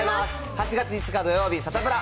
８月５日土曜日、サタプラ。